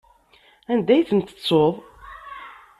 Anda ay tent-tettuḍ?